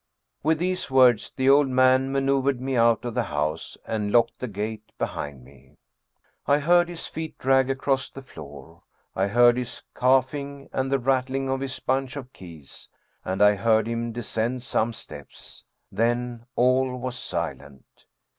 With these words the old man maneuvered me out of the house and locked the gate behind me. I heard his feet drag across the floor, I heard his coughing and the rattling of his bunch of keys, and I heard him descend some steps. Then all was silent.